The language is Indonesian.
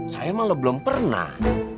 saya malah belum pernah